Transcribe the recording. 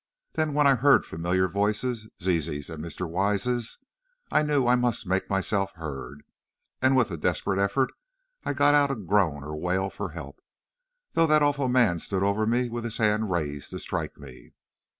Then, when I heard familiar voices, Zizi's and Mr. Wise's, I knew I must make myself heard, and with a desperate effort, I got out a groan or wail for help, though that awful man stood over me with his hand raised to strike me!"